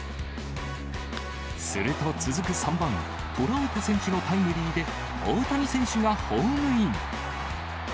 すると続く３番トラウト選手のタイムリーで、大谷選手がホームイン。